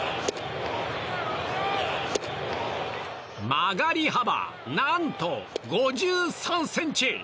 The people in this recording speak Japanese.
曲がり幅、何と５３ｃｍ！